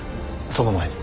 その前に。